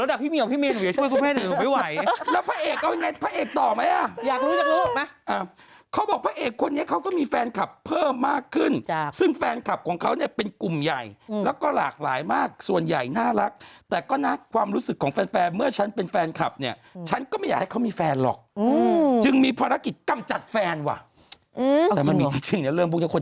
ได้ยินผู้แม่ก็นูอึ้งดพี่เมเมเมื่อกี้ได้ยินทุกคนบอก